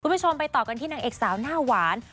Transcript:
คุณผู้ชมไปต่อกันที่นางเอกสาวหน้าหวาน